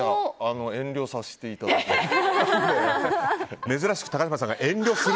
遠慮させていただきます。